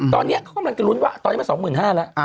ตอนนี้เขาก็มันกระลุ้นว่าตอนนี้มันสองหมื่นห้าแล้ว